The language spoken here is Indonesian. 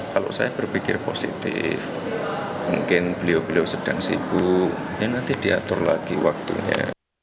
kalau saya berpikir positif mungkin beliau beliau sedang sibuk ini nanti diatur lagi waktunya